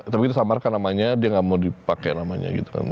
tapi kita samarkan namanya dia gak mau dipakai namanya gitu kan